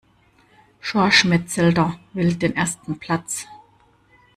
Schorsch Metzelder will den ersten Platz.